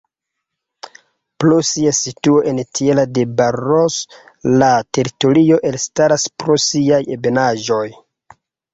Pro sia situo en Tierra de Barros la teritorio elstaras pro siaj ebenaĵoj.